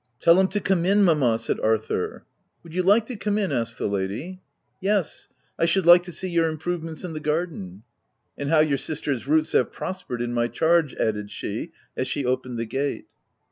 "Tell him to come in, Mamma," said Arthur. H Would you like to come in ? asked the lady. 182 THE TENANT " Yes ; I should like to see your improve ments in the garden." " And how your sister's roots have prospered in my charge/ 5 added she, as she opened the gate.